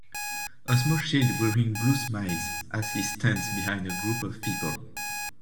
A small child wearing blue smiles as he stands behind a group of people.